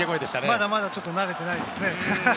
まだまだ慣れてないですね。